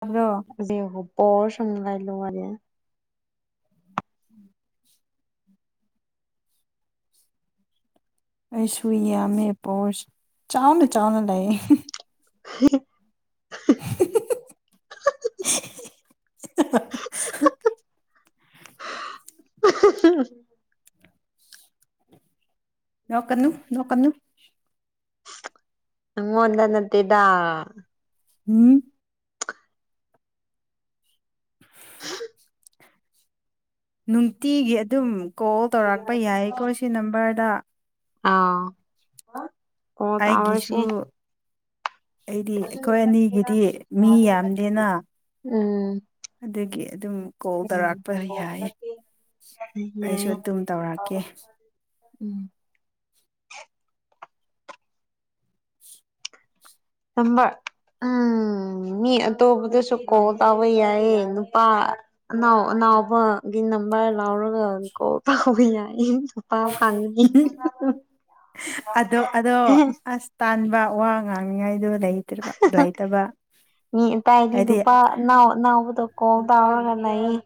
ꯇꯥꯕ꯭ꯔꯣ ꯑꯗꯦꯍꯣ ꯄꯥꯋꯔ ꯁꯨꯡ ꯅ ꯂꯧ ꯑ ꯂꯦ [unintelligible] ꯎꯝ ꯑꯩ ꯁꯨꯏ ꯌꯥꯝꯃꯦ ꯄꯣꯁ ꯆꯥꯎꯅ ꯆꯥꯎꯅ ꯂꯩꯌꯦ ꯍ [unintelligible] [unintelligible] ꯅꯣꯀꯅꯨ ꯅꯣꯛꯀꯅꯨ ꯑꯉꯣꯟꯗ ꯅꯠꯇꯦꯗ ꯎꯝ ꯅꯨꯡꯇꯤꯒꯤ ꯑꯗꯨꯝ ꯀꯣꯜ ꯇꯧꯔꯛꯄ ꯌꯥꯏꯌꯦꯀꯣ ꯁꯤ ꯅꯝꯕꯔꯗ ꯑꯥ ꯑꯣ ꯑꯩꯒꯤꯁꯨ ꯇꯥꯔꯁꯤ ꯑꯩꯗꯤ ꯑꯩꯈꯣꯏ ꯑꯅꯤꯒꯤꯗꯤ ꯃꯤ ꯌꯥꯝꯗꯦꯅ ꯎꯝ ꯑꯗꯨꯒꯤ ꯑꯗꯨꯝ ꯀꯣꯜ ꯇꯧꯔꯛꯄ ꯌꯥꯌꯦ ꯑꯩꯁꯨ ꯌꯥꯏ ꯑꯗꯨꯝ ꯇꯧꯔꯛꯀꯦ ꯎꯝ [inaudible] ꯇꯝꯕ ꯎꯝ ꯃꯤ ꯑꯇꯣꯞꯄꯗꯁꯨ ꯀꯣꯜ ꯇꯥꯎꯕ ꯌꯥꯏꯌꯦ ꯅꯨꯄꯥ ꯑꯅꯥꯎ ꯑꯅꯥꯎ ꯉꯥꯎꯕꯒꯤ ꯅꯝꯕꯔ ꯂꯧꯎꯔꯒ ꯀꯣꯜ ꯇꯥꯎꯕ ꯌꯥꯏꯌꯦ ꯄꯥꯎ ꯐꯥꯡꯅꯤ ꯑ ꯋꯥ ꯉꯥꯡꯉꯉꯥꯏꯗꯨ ꯃꯤ ꯑꯇꯥꯏꯗꯤ ꯍꯥꯏꯗꯤ ꯅꯨꯄꯥ ꯑꯅꯥꯎ ꯅꯥꯎꯕꯗꯣ ꯀꯣꯜ ꯇꯥꯎꯋꯥꯒ ꯂꯩꯏ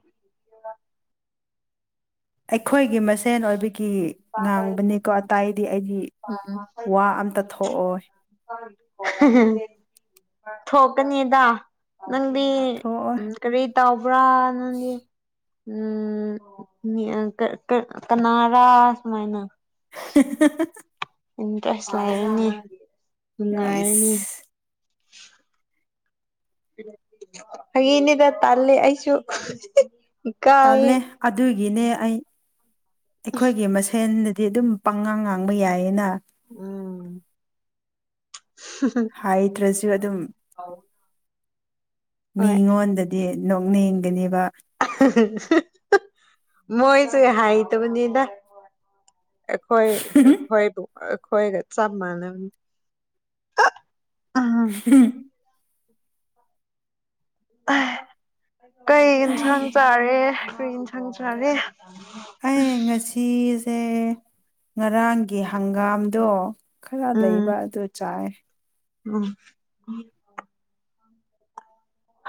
ꯑꯩꯈꯣꯏꯒꯤ ꯃꯁꯦꯟ ꯑꯣꯏꯕꯤ ꯒꯤ ꯉꯥꯡꯕꯅꯤꯀꯣ ꯑꯇꯥꯏꯗꯤ ꯑꯩꯗꯤ ꯎꯝ ꯋꯥ ꯑꯝꯇ ꯊꯣꯛꯑꯣꯏ ꯊꯣꯛꯀꯅꯤꯗ ꯅꯪꯗꯤ ꯊꯣꯛꯑꯣꯏ ꯎꯝ ꯀꯔꯤ ꯇꯥꯎꯕ꯭ꯔꯥ ꯅꯪꯗꯤ ꯎꯝ ꯃꯤ ꯑ ꯀ ꯀꯟ ꯀꯅꯥꯔꯥ ꯁꯨꯃꯥꯏꯅ [unintelligible] ꯏꯟꯇꯔꯦꯁ ꯂꯩꯔꯅꯤ ꯅꯨꯡꯉꯥꯏꯔꯅꯤ ꯏꯁ ꯍꯩꯌꯦꯅꯤꯗ ꯇꯥꯜꯂꯦ ꯑꯩꯁꯨ ꯏꯀꯥꯏꯌꯦ ꯇꯜꯂꯦ ꯑꯗꯨꯒꯤꯅꯦ ꯑꯩ ꯑꯩꯈꯣꯏꯒꯤ ꯃꯁꯦꯟ ꯗꯤ ꯑꯗꯨꯝ ꯄꯪꯉꯥꯡ ꯉꯥꯡꯕ ꯌꯥꯏꯌꯦꯅ ꯎꯝ ꯍꯥꯏꯗ꯭ꯔꯁꯨ ꯑꯗꯨꯝ ꯑꯧ ꯃꯤꯉꯣꯟꯗꯗꯤ ꯅꯣꯛꯅꯤꯡꯒꯅꯤꯕ ꯃꯣꯏꯁꯨ ꯍꯥꯏ ꯇꯕꯅꯤꯗ ꯑꯩꯈꯣꯏ ꯑꯈꯣꯏꯇꯣ ꯑꯈꯣꯏꯒ ꯆꯞ ꯃꯥꯅꯝꯅꯤ ꯀꯩ ꯍꯩ ꯏꯟꯁꯥꯡ ꯆꯥꯔꯦ ꯀꯔꯤ ꯏꯟꯁꯥꯡ ꯆꯥꯔꯦ ꯑꯩ ꯉꯁꯤꯁꯦ ꯉꯔꯥꯡꯒꯤ ꯍꯪꯒꯥꯝꯗꯣ ꯈꯔ ꯎꯝ ꯂꯩꯕ ꯑꯗꯨ ꯆꯥꯏ ꯎꯝ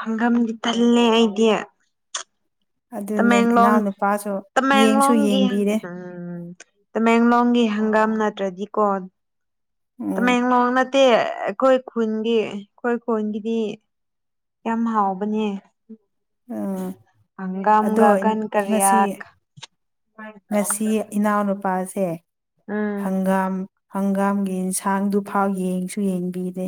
ꯍꯪꯒꯥꯝꯗꯤ ꯊꯜꯂꯦ ꯑꯩꯗꯤ ꯑꯗꯨꯅꯦ ꯇꯃꯦꯡꯂꯣꯡ ꯏꯅꯥꯎꯅꯨꯄꯥꯁꯨ ꯌꯦꯡꯁꯨ ꯇꯃꯦꯡꯂꯣꯡꯒꯤ ꯌꯦꯡꯕꯤꯔꯦ ꯎꯝ ꯇꯃꯦꯡꯂꯣꯡꯒꯤ ꯍꯪꯒꯥꯝ ꯅꯠꯇ꯭ꯔꯗꯤꯀꯣ ꯎꯝ ꯇꯃꯦꯡꯂꯣꯡ ꯅꯠ ꯇꯦ ꯑꯈꯣꯏ ꯈꯨꯟꯒꯤ ꯑꯩꯈꯣꯏ ꯈꯨꯟꯒꯤꯗꯤ ꯌꯥꯝ ꯍꯥꯎꯕꯅꯦ ꯑ ꯍꯪꯒꯥꯝꯒ ꯑꯗꯣꯟ ꯀꯟ ꯀꯔꯤꯌꯥ ꯉꯁꯤ ꯉꯁꯤ ꯏꯅꯥꯎꯅꯨꯄꯥꯁꯦ ꯎꯝ ꯍꯪꯒꯥꯝ ꯍꯪꯒꯥꯝꯒꯤ ꯏꯟꯁꯥꯡꯗꯨ ꯐꯥꯎ ꯌꯦꯡꯁꯨ ꯌꯦꯡꯕꯤꯗꯦ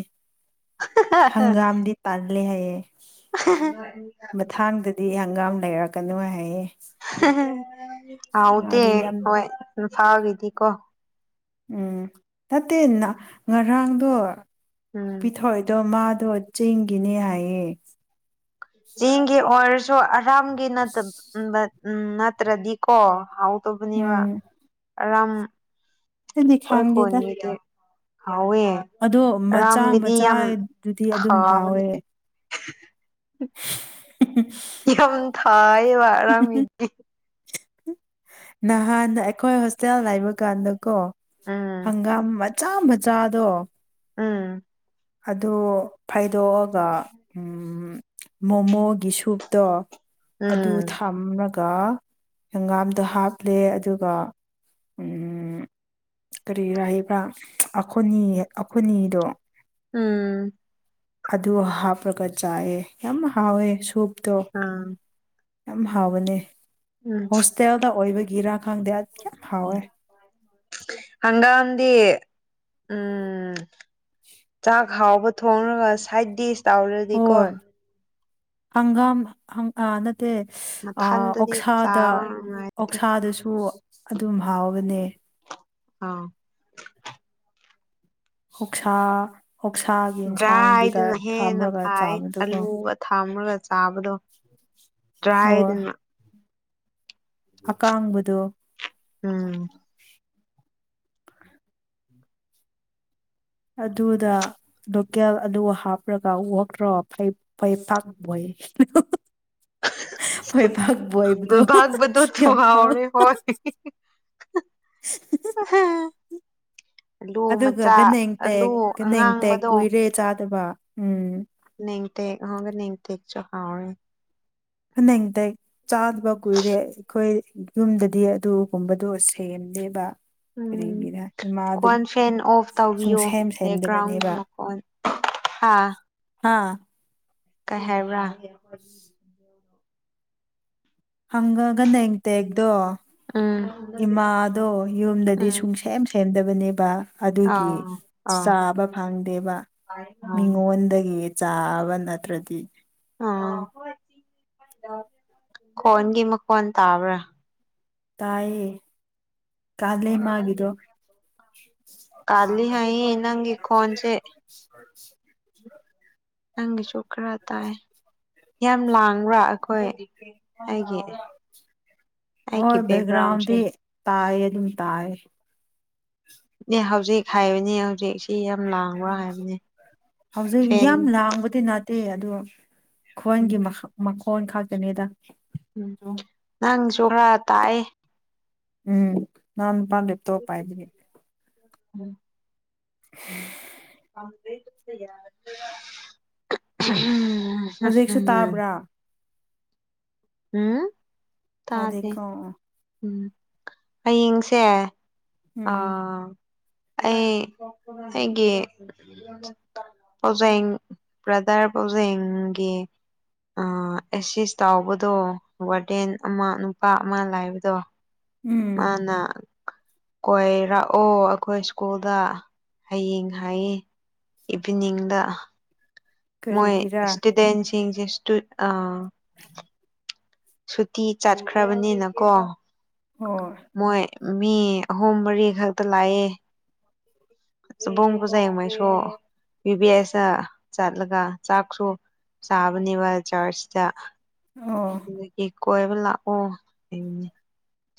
ꯍꯪꯒꯥꯝꯗꯤ ꯇꯔꯂ ꯍꯥꯏꯌꯦ [unintelligible] ꯗꯤ ꯍꯪꯒꯥꯝ ꯂꯩꯔꯛꯀꯅꯤꯉ ꯍꯥꯏꯌꯦ ꯍꯥꯎꯗ ꯃꯥꯗꯤ ꯌꯥꯝ ꯍꯣꯏ ꯐꯥꯎꯒꯗꯤ ꯀꯣ ꯎꯝ ꯅꯠꯇꯦ ꯉꯔꯥꯡꯗꯣ ꯎꯝ ꯄꯤꯊꯣꯛꯏꯗꯣ ꯃꯥꯗ ꯑꯗꯣ ꯆꯦꯡꯒꯤꯅꯦ ꯍꯥꯏꯌꯦꯦ ꯆꯦꯡꯒꯤ ꯑꯣꯏꯔꯁꯨ ꯑꯔꯥꯝꯒꯤ ꯅꯠꯇ ꯎꯝ ꯅꯠꯇ꯭ꯔꯗꯤꯀꯣ ꯍꯥꯎ ꯇꯕꯨꯅꯤ ꯋꯥ ꯑꯝ ꯈꯥꯡꯒ ꯏꯗꯔ ꯍꯥꯎꯋꯦ ꯔꯥꯝꯒꯤꯗꯤ ꯌꯥꯝ ꯃꯆꯥꯗꯨꯗꯤ ꯑꯗꯨꯝ ꯍꯥꯎꯋꯦ ꯊꯥꯕꯅꯦ [unintelligible] ꯎ ꯌꯥꯝ ꯊꯥꯏꯕ ꯑꯔꯝ ꯏꯗꯤ ꯅꯍꯥꯟ ꯑꯩꯈꯣꯏ ꯍꯣꯁꯇꯦꯜ ꯂꯩꯕ ꯀꯥꯟꯗꯀꯣ ꯎꯝ ꯍꯪꯒꯥꯝ ꯆꯥ ꯃꯆꯥꯗꯣ ꯎꯝ ꯑ ꯐꯥꯏꯗꯣꯛꯑꯒ ꯃꯣꯃꯣꯒꯤ ꯁꯨꯞꯇꯣ ꯑꯗꯨ ꯎꯝ ꯊꯝꯂꯒ ꯑꯗꯨꯒ ꯍꯪꯒꯥꯝꯗꯣ ꯍꯥꯞꯂꯦ ꯑꯗꯨꯒ ꯀꯔꯤꯔ ꯍꯥꯏꯕ꯭ꯔꯥ ꯑꯩꯈꯣꯏ ꯑꯩꯈꯣꯏꯅꯤꯗꯣ ꯎꯝ ꯑꯗꯨ ꯍꯥꯞꯄꯒ ꯆꯥꯏꯑ ꯌꯥꯝ ꯍꯥꯎꯋꯦ ꯁ ꯑꯥ ꯌꯥꯝ ꯍꯥꯎꯕꯅꯦ ꯎꯝ ꯍꯣꯁꯇꯦꯜꯗ ꯑꯣꯏꯕꯒꯤ ꯏꯔꯥꯛ ꯈꯪꯗꯗ ꯀ ꯍꯋꯦ ꯗꯤ ꯎꯝ ꯆꯥꯛ ꯍꯥꯎꯕ ꯊꯣꯡꯉꯒ ꯁꯥꯏꯗꯤ ꯇꯥꯎꯔꯗꯤꯀꯣ ꯍꯪꯒꯥꯝꯪ ꯑ ꯑꯦ ꯃꯊꯟꯗꯗꯤ ꯑꯣꯛꯁꯥꯗ ꯆꯥꯕ ꯅꯨꯡꯉꯥꯏꯇꯦ ꯑꯣꯛꯁꯥꯗꯁꯨ ꯑꯗꯨꯝ ꯍꯥꯎꯕꯅꯦ ꯑꯥꯎ ꯑꯣꯁꯥ ꯗ꯭ꯔꯥꯏꯗꯨꯅ ꯍꯦꯟꯅ ꯐꯥꯏ ꯆꯥꯕꯗꯨꯀꯣ ꯑꯂꯨꯒ ꯊꯝꯔꯒ ꯆꯥꯕꯗꯣ ꯍꯣꯏ ꯇ꯭ꯔꯥꯏꯅ ꯑꯀꯥꯡꯕꯗꯣ ꯎꯝ ꯑꯗꯨꯗ ꯂꯣꯀꯦꯜ ꯑꯂꯨ ꯍꯥꯞꯄꯒ ꯑꯣꯛꯇ꯭ꯔꯣ ꯐꯩꯄꯥꯛꯥꯛ ꯃꯣꯏ [unintelligible] ꯒꯕꯣ ꯊ ꯌꯥꯝ ꯍꯥꯎ ꯋꯥꯎꯅꯤ ꯍꯣꯏ ꯍꯝ ꯑꯗꯨꯒ ꯒꯅ ꯑꯂꯨ ꯇꯦꯛ ꯒꯅ ꯇꯦꯛ ꯑꯉꯥꯡꯕꯗꯣ ꯀꯨꯏꯔꯦ ꯆꯥꯗꯕ ꯎꯝ ꯅꯇꯦꯛ ꯍꯧꯒ ꯅꯤꯡꯇꯦꯛ ꯆꯍꯥꯎꯔꯦ ꯍꯅꯪꯇꯛ ꯆꯥꯗꯕ ꯀꯨꯏꯔꯦ ꯑꯩꯈꯣꯏ ꯌꯨꯝꯗꯗꯤ ꯑꯗꯨꯒꯨꯝꯕꯗꯣ ꯁꯦꯝꯅꯦꯦꯕ ꯎꯝ ꯀꯣꯟ ꯐꯦꯟ ꯑꯣꯐ ꯇꯧꯕꯤꯌꯣ ꯁꯨꯡꯁꯦꯝ ꯕꯦꯛꯒ꯭ꯔꯥꯎꯟ ꯁꯦꯝꯗꯕꯅꯦꯕ ꯃꯈꯣꯟ ꯑꯥ ꯍꯥꯥ ꯀꯩ ꯍꯥꯏꯕ꯭ꯔꯥ ꯍꯪꯒꯗ ꯍꯡ ꯇ ꯑꯦꯒꯗꯣ ꯎꯝ ꯏꯃꯥꯗꯣ ꯌꯨꯝꯗꯗꯤ ꯎꯝ ꯁꯨꯡꯁꯦꯝ ꯁꯦꯝꯗꯕꯅꯦꯕ ꯑꯗꯨꯒꯤ ꯑꯥ ꯑꯥ ꯆꯥꯕ ꯐꯪꯗꯦꯕ ꯃꯤꯉꯣꯟꯗꯒꯤ ꯆꯥꯕ ꯅꯠꯇ꯭ꯔꯗꯤ ꯑ ꯀꯣꯟꯒꯤ ꯃꯈꯣꯟ ꯇꯥꯕ꯭ꯔꯥ ꯇꯌꯦ ꯀꯂꯤ ꯍꯥꯏ ꯏ ꯅꯒꯤ ꯀꯣꯟꯁꯦ ꯅꯪꯒꯤꯁꯨ ꯈꯔ ꯇꯥꯏ ꯌꯥꯝ ꯂꯥꯡꯕ꯭ꯔꯥ ꯑꯩꯈꯣꯏ ꯍꯥꯏꯦ ꯍꯣꯏ ꯕꯦꯛꯒ꯭ꯔꯥꯎꯟꯗꯤ ꯇꯥꯏ ꯑꯗꯨꯝ ꯇꯥꯏ ꯅꯦ ꯍꯧꯖꯤꯛ ꯍꯥꯏꯕꯅꯦ ꯍꯧꯖꯤꯛ ꯁꯤ ꯌꯥꯝ ꯂꯥꯡꯕ꯭ꯔꯥ ꯍꯥꯏꯕꯅꯤ ꯍꯧꯖꯤꯛ ꯐꯦꯟ ꯌꯥꯝ ꯂꯥꯡꯕꯗꯤ ꯅꯥ ꯗꯦ ꯑꯗꯨꯗꯣ ꯈꯣꯟꯒꯤ ꯎꯝ ꯃꯈꯣꯟ ꯈꯥꯛꯛꯇꯅꯦꯗ ꯎꯝ ꯅꯪꯁꯨ ꯈꯔ ꯇꯥꯛꯑꯦ ꯎꯝ ꯅꯥꯟ ꯄ ꯂꯦꯞꯇꯄꯥꯏꯗꯦꯅꯦ ꯎꯝ ꯎꯝ ꯍꯧꯖꯤꯛꯁꯨ ꯝ ꯇꯥꯕ꯭ꯔꯥ ꯎꯝ ꯇꯥꯗꯦ ꯄꯥꯗꯤꯀꯣ ꯎꯝ ꯍꯌꯦꯡꯁꯦ ꯎꯝ ꯑꯥ ꯑꯩ ꯍꯒꯤꯦ ꯄꯖꯦꯡ ꯕ꯭ꯔꯗꯔ ꯄꯖꯦꯡꯒꯤꯦ ꯑ ꯑꯦꯁ ꯇꯥꯎꯕꯗꯣ ꯋꯥꯗꯦꯟ ꯑꯃ ꯅꯨꯄꯥ ꯑꯃ ꯂꯥꯏꯕꯗꯣ ꯎꯝ ꯃꯥꯅ ꯀꯣꯏꯔꯛꯑꯣ ꯑꯩꯈꯣꯏ ꯁ꯭ꯀꯨꯜꯗ ꯍꯌꯦꯡ ꯍꯥꯏꯌꯦ ꯏꯚꯅꯤꯡꯗ ꯃꯣꯏ ꯀꯔꯤꯒꯤꯔꯥ ꯏ ꯗꯦꯟꯁꯤꯁꯦ ꯏꯁꯨ ꯑ ꯁꯨꯇꯤ ꯆꯠꯈ꯭ꯔꯕꯅꯤꯅꯀꯣ ꯑꯣ ꯃꯣꯏ ꯃꯤ ꯑꯍꯨꯝ ꯃꯔꯤ ꯈꯛꯇ ꯂꯥꯛꯑꯦ ꯕꯣꯣꯡꯒꯁꯥꯏ ꯃꯥꯏꯁꯨꯣ ꯌꯨ ꯕꯤ ꯑꯦꯁꯇ ꯆꯠꯂꯒ ꯆꯥꯛꯁꯨ ꯆꯥꯕꯅꯦꯕ ꯆꯔꯆꯇ ꯑꯣ ꯑꯗꯨꯗꯒꯤ ꯀꯣꯏꯕ ꯂꯥꯛꯑꯣꯅꯤ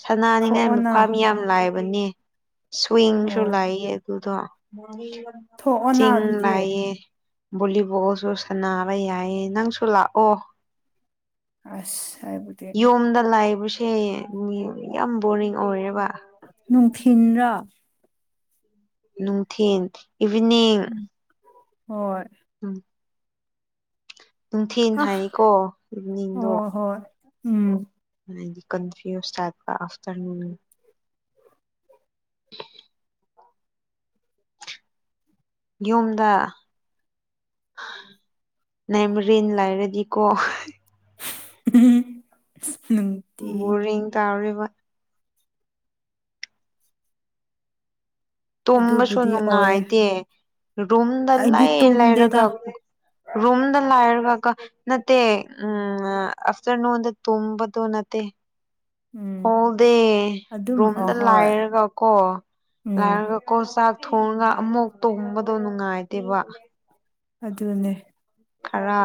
ꯁꯅꯥ ꯅꯤꯡꯉꯥꯏꯕ ꯊꯣꯛꯑꯣꯅ ꯐꯥꯝ ꯌꯥꯝ ꯂꯥꯏꯕ ꯅꯦ ꯁ꯭ꯋꯤꯡꯁꯨ ꯑꯣ ꯂꯥꯛꯌꯦ ꯑꯗꯨꯗꯣ ꯊꯣꯛꯑꯣꯅ ꯆꯤꯡ ꯑꯗꯨꯗꯤ ꯂꯑꯌꯦ ꯚꯣꯂꯤꯕꯣꯜꯁꯨ ꯁꯥꯟꯅꯕ ꯌꯥꯏꯌꯦ ꯅꯪꯁꯨ ꯂꯥꯛꯑꯣ ꯑꯁ ꯍꯥꯏꯕꯗꯤ ꯌꯣꯝꯗ ꯂꯥꯏꯕꯁꯦ ꯌꯥꯝ ꯕꯣꯔꯤꯡ ꯑꯣꯏꯔꯦꯕ ꯅꯨꯡꯊꯤꯜꯔ ꯅꯨꯡꯊꯤꯟ ꯏꯚꯤꯅꯤꯡ ꯍꯣꯏ ꯅꯨꯡꯊꯤ ꯑ ꯍꯥꯏꯀꯣ ꯏꯚꯅꯤꯡꯗꯣ ꯑꯣ ꯍꯣꯏ ꯎꯝ ꯗꯤ ꯀꯟꯇ ꯀ ꯑꯐꯇꯔ ꯌꯨꯝꯗ ꯅꯦꯃꯔꯤꯟ ꯂꯥꯏꯔꯦꯗꯤꯀꯣ ꯎꯝ ꯕꯔꯤꯡ ꯀꯔ ꯇꯨꯝꯕꯁꯨ ꯑꯗꯨꯕꯨꯗꯤ ꯑꯣꯏꯌꯦ ꯅꯨꯡꯉꯥꯏꯇꯦ ꯔꯨꯝꯗ ꯑꯩꯗꯤ ꯂꯩ ꯇꯨꯝꯗꯦꯗ ꯂꯩꯔꯒ ꯔꯨꯝ ꯅ ꯂ ꯍꯥꯏꯕꯒ ꯅꯠꯇꯦ ꯎꯝ ꯑꯐꯇꯔꯅꯨꯟꯗ ꯇꯨꯝꯗꯨ ꯅꯠꯇꯦ [unintelligible] ꯎꯝ ꯍꯣꯡꯗꯦ ꯑꯗꯨꯝ ꯔꯨꯝꯗ ꯑꯍꯣꯏ ꯂꯥꯏꯔꯒꯀꯣ ꯎꯝ ꯂꯥꯏꯔꯒꯀꯣ ꯆꯥꯛ ꯊꯣꯡꯉꯒ ꯑꯃꯨꯛ ꯇꯣꯡꯍꯕꯗꯣ ꯅꯨꯡꯉꯥꯏꯗꯦꯕ ꯑꯗꯨꯗꯟꯅꯦ ꯈꯔ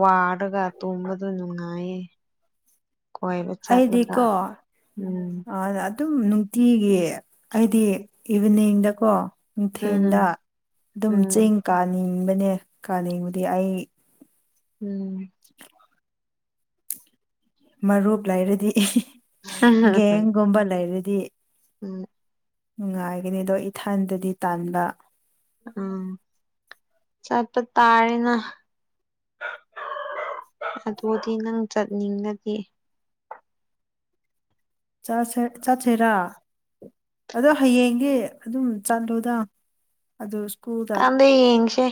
ꯋꯥꯔꯒ ꯇꯣꯡꯕꯗꯨ ꯅꯨꯡꯉꯥꯏꯌꯦ ꯀꯣꯏꯕ ꯆꯠꯂꯒ ꯑꯩꯗꯤꯀꯣ ꯎꯝ ꯑ ꯑꯗꯨꯝ ꯅꯨꯡꯇꯤꯒꯤ ꯍꯥꯏꯗꯤ ꯏꯚꯤꯅꯤꯡꯗꯀꯣ ꯅꯨꯡꯊꯦꯜꯗ ꯎꯝ ꯑꯗꯨꯝ ꯎꯝ ꯆꯦꯡ ꯀꯥꯅꯤꯡꯕꯅꯦ ꯀꯥꯅꯤꯡꯕꯗꯤ ꯑꯩ ꯎꯝ ꯃꯔꯨꯞ ꯂꯩꯔꯗꯤ ꯒꯦꯡꯒꯨꯝꯕ ꯂꯩꯔꯗꯤ ꯎꯝ ꯅꯨꯡꯉꯥꯏꯒꯅꯤ ꯑꯗꯣ ꯏꯊꯥꯟꯗꯗꯤ ꯇꯥꯟꯕ ꯎꯝ ꯆꯠꯄ ꯇꯥꯔꯅ ꯑꯗꯨꯗꯤ ꯅꯪ ꯆꯠꯅꯤꯡꯅꯗꯦ ꯆꯠꯁꯦꯔꯥ ꯑꯗꯣ ꯍꯌꯦꯡꯒꯤ ꯑꯗꯨꯝ ꯆꯠꯂꯨꯗ ꯑꯗꯨ ꯁ꯭ꯀꯨꯜꯗ ꯀꯥꯟꯗ ꯌꯦꯡꯁꯦ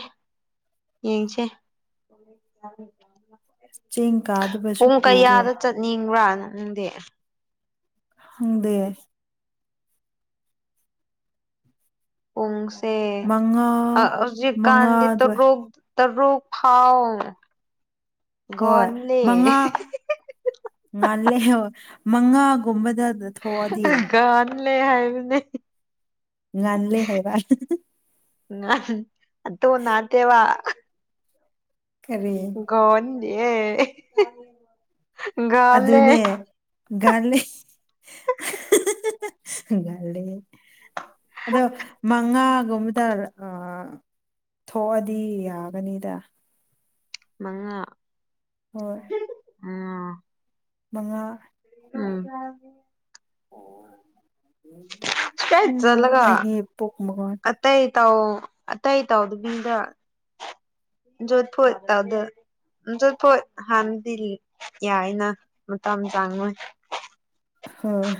ꯌꯦꯡꯁꯦ ꯆꯦꯡ ꯀꯥꯗꯕꯁꯨ ꯄꯨꯡ ꯀꯨꯏꯔꯦ ꯀꯌꯥꯗ ꯆꯠꯅꯤꯡꯕ꯭ꯔꯥ ꯅꯪꯪꯗꯤ ꯍꯪꯗ ꯃꯉꯥ ꯎꯁꯦꯖꯤ ꯃꯉꯥ ꯀꯥꯟꯗꯤ ꯑꯗꯨꯋꯥꯏ ꯔꯣ ꯇꯔꯨ ꯐꯥꯎꯑꯣ ꯍꯣꯏ ꯃꯉꯥ ꯉꯥꯜꯂꯦ ꯃꯉꯥꯒꯨꯝꯕꯗ ꯊꯣꯛꯑꯗꯤꯌꯦ ꯂꯩ ꯍꯥꯏꯕꯅꯦ ꯉꯥꯟꯂꯦ ꯍꯥꯏꯕ ꯑꯠꯇꯕꯨ ꯅꯠꯇꯦꯕ ꯀꯔꯤ ꯣꯟ ꯗꯦ ꯂꯦ ꯂꯦ ꯂꯦ ꯑꯗꯣ ꯃꯉꯥ ꯀꯔꯤꯒꯨꯝꯕꯗ ꯊꯣꯛꯑꯗꯤ ꯌꯥꯒꯅꯤꯗ ꯃꯉꯥ ꯍ ꯎꯝ ꯃꯉꯥ ꯎꯝ ꯁ꯭ꯇ꯭ꯔꯦꯠ ꯑ ꯆꯠꯂꯒ ꯑꯩꯒꯤ ꯄ ꯀꯨꯝꯕꯟ ꯑꯇꯩ ꯇꯧ ꯑꯇꯩ ꯇꯧꯗꯕꯤꯗ ꯖꯣꯠ ꯐꯣꯠꯇꯗ ꯑꯝ ꯆꯠꯊꯣꯏ ꯍꯥꯟꯅꯗꯤ ꯌꯥꯏꯅ ꯃꯇꯝ ꯆꯥꯡꯉꯣꯏ ꯍꯣꯏ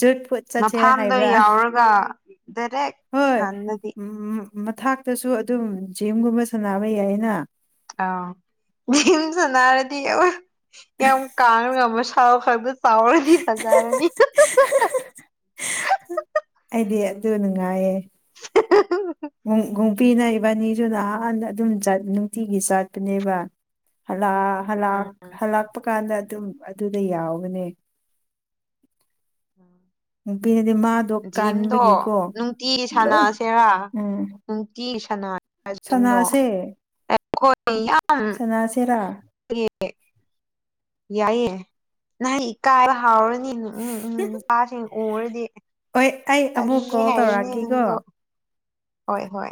ꯖꯨꯠ ꯐꯨꯠ ꯆꯠꯁꯦꯔꯥ ꯃꯐꯝꯥꯝꯗꯣ ꯍꯥꯏꯕ꯭ꯔꯥ ꯌꯥꯎꯔꯒ ꯗꯥꯏꯔꯦꯛ ꯍꯥꯟꯅꯗꯤ ꯃꯊꯇꯁꯨ ꯑꯗꯨꯝ ꯖꯤꯝꯒꯨꯝꯕ ꯁꯥꯟꯅꯕ ꯌꯥꯏꯅ ꯑ ꯆꯅꯔꯗꯤ ꯌꯥꯝ ꯀꯅ ꯉꯝꯃ ꯁꯥꯕ ꯈꯛꯇ ꯆꯥꯎꯔꯗꯤ ꯕꯖꯥꯔꯅꯤ ꯎ ꯗꯤ ꯑꯗꯨ ꯑꯗꯨ ꯅꯨ ꯉꯌꯦꯦ ꯨꯝꯕꯤꯅ ꯏꯕꯥꯅꯤꯁꯨ ꯅꯍꯥꯟ ꯑꯗꯨꯝ ꯅꯨꯡꯇꯤꯒꯤ ꯆꯥꯠꯄꯅꯦꯕ ꯍꯜꯂ ꯍꯂꯛ ꯍꯂꯛꯄ ꯀꯥꯟꯗ ꯑꯗꯨꯝ ꯑꯗꯨꯗ ꯌꯥꯎꯕꯅꯦ ꯅꯨꯄꯤꯅꯗꯤ ꯃꯥꯗꯣ ꯖꯤꯝꯗꯣ ꯀꯕꯒꯤꯀꯣ ꯅꯨꯡꯇꯤꯒꯤ ꯂꯣꯏ ꯎꯝ ꯁꯅꯥꯁꯦ ꯗꯈꯣꯏ ꯌꯥꯝ ꯁꯅꯥꯁꯦꯔꯥ ꯀꯦ ꯌꯥꯌꯦꯦ ꯅꯍ ꯏꯀꯥꯏꯕ ꯍꯥꯎꯔꯅꯤ ꯅꯨꯄꯥꯁꯤꯡ ꯎꯔꯗꯤ ꯍꯣꯏ ꯑꯩ ꯑꯃꯨꯛ ꯇꯜꯂꯦ ꯀꯣꯜ ꯍꯥꯏꯔꯅꯤ ꯇꯧꯔꯛꯑꯒꯦꯀꯣ ꯅꯪꯗꯣ ꯍꯣꯏ ꯍꯣꯏ